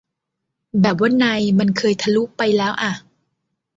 แบบว่าใน มันเคยทะลุ ไปแล้วอะ